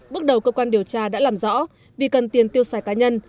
bước đầu cơ quan điều tra đã làm rõ vì cần tiền tiêu xài cá nhân